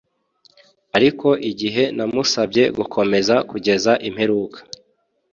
ariko igihe namusabye gukomeza kugeza imperuka